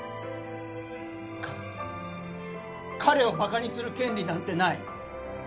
か彼をバカにする権利なんてない！